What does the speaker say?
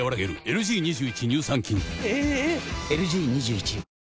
⁉ＬＧ２１